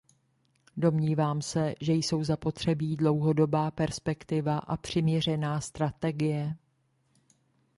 Domnívám se, že jsou zapotřebí dlouhodobá perspektiva a přiměřená strategie.